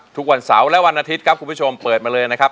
ทุกวันเสาร์และวันอาทิตย์ครับคุณผู้ชมเปิดมาเลยนะครับ